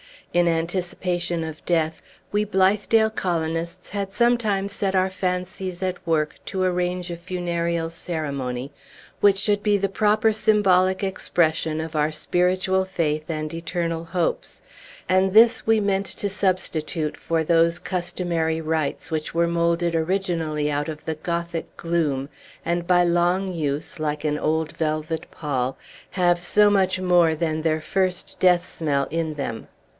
In anticipation of a death, we Blithedale colonists had sometimes set our fancies at work to arrange a funereal ceremony, which should be the proper symbolic expression of our spiritual faith and eternal hopes; and this we meant to substitute for those customary rites which were moulded originally out of the Gothic gloom, and by long use, like an old velvet pall, have so much more than their first death smell in them.